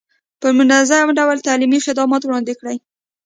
په منظم ډول تعلیمي خدمات وړاندې کړي.